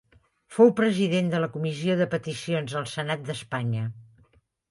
Fou president de la Comissió de Peticions del Senat d'Espanya.